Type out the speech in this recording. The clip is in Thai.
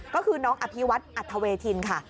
ก็คือน้องอภิวัฒน์อัธเวทินค่ะ